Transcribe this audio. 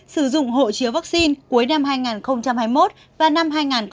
sử dụng hộ chiếu vaccine cuối năm hai nghìn hai mươi một và năm hai nghìn hai mươi hai